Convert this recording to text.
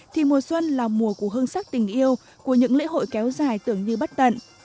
thì mùa xuân là mùa của hương sắc tình yêu của những lễ hội kéo dài tưởng như bất tận